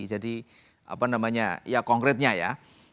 jadi apa namanya ya konkretnya ya